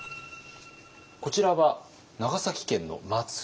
こちらは長崎県の松浦市です。